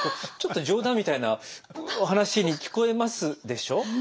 ちょっと冗談みたいな話に聞こえますでしょ。